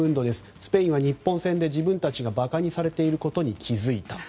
スペインは日本戦で自分たちが馬鹿にされていることに気付いた。